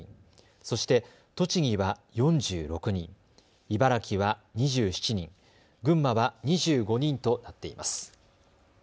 そして栃木は４６人、茨城は２７人、群馬は２５人となっています。